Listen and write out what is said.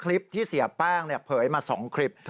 คลิปที่เสียแป้งเผยมา๒คลิป